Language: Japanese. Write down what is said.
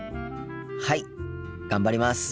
はい頑張ります。